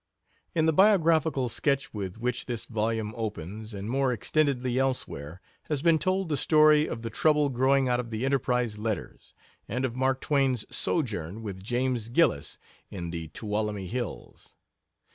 In the biographical sketch with which this volume opens, and more extendedly elsewhere, has been told the story of the trouble growing out of the Enterprise letters, and of Mark Twain's sojourn with James Gillis in the Tuolumne Hills.